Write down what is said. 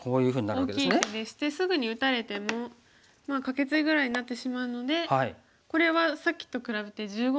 大きい手でしてすぐに打たれてもカケツギぐらいになってしまうのでこれはさっきと比べて１５目ぐらいは。